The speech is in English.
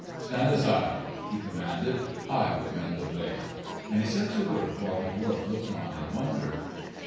"Stand aside!" he commanded. "I will mend the blade." And he set to work while the dwarf looked on in wonder.